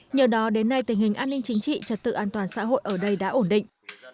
nhờ đó đến nay tình hình an ninh chính trị trật tự an toàn xã hội ở đây đã ổn định